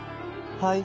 はい。